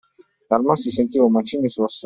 Dalmor si sentiva un macigno sullo stomaco.